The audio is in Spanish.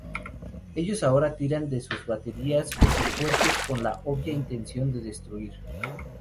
Ellos ahora tiran de sus baterías y fuertes con la obvia intención de destruir.